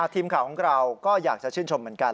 ทีมข่าวของเราก็อยากจะชื่นชมเหมือนกัน